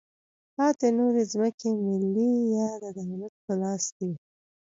پاتې نورې ځمکې ملي یا د دولت په لاس کې وې.